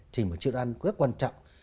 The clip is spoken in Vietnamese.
chỉnh một chế độ ăn rất quan trọng